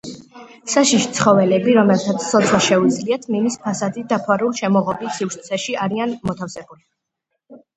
საშიში ცხოველები, რომელთაც ცოცვა შეუძლიათ მინის ფასადით დაფარულ შემოღობილ სივრცეებში არიან მოთავსებული.